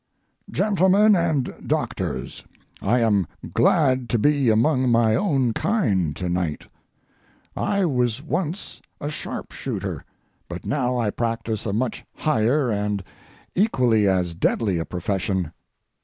GENTLEMEN AND DOCTORS,—I am glad to be among my own kind to night. I was once a sharpshooter, but now I practise a much higher and equally as deadly a profession.